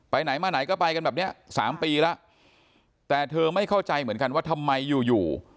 ไหนมาไหนก็ไปกันแบบเนี้ยสามปีแล้วแต่เธอไม่เข้าใจเหมือนกันว่าทำไมอยู่อยู่